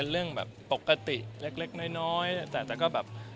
เลื่อยไปนะครับ